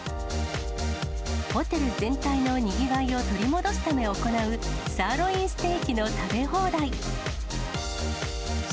ホテル全体のにぎわいを取り戻すため行う、サーロインステー